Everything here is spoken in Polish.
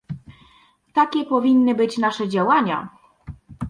Takie powinny być nasze działania